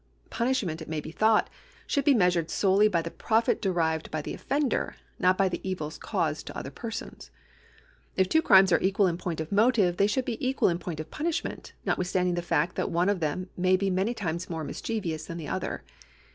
Punishment, it may be thought, should be measured solely by the profit derived by the offender, not by the evils caused to other persons ; if two crimes are equal in point of motive, they should be equal in point of punishment, notwithstanding the fact that one of them may be many times more mischievous than the other.